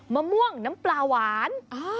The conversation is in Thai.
มะม่วงน้ำปลาหวาน